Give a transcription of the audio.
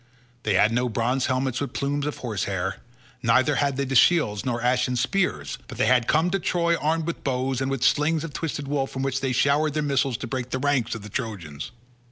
They had no bronze helmets with plumes of horse hair, neither had they shields nor ashen spears, but they had come to Troy armed with bows, and with slings of twisted wool from which they showered their missiles to break the ranks of the Trojans.